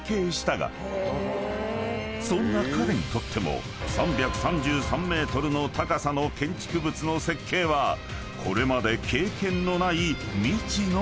［そんな彼にとっても３３３ｍの高さの建築物の設計はこれまで経験のない未知の領域］